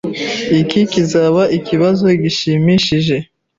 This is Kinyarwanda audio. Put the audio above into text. Iki kizaba ikibazo gishimishije.